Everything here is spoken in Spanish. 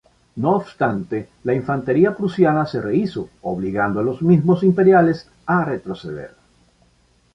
No obstante, la infantería prusiana se rehízo, obligando a los mismos imperiales a retroceder.